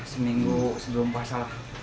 seminggu sebelum puasa